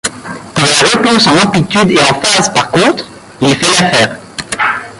Pour la réponse en amplitude et en phase par contre, il fait l'affaire.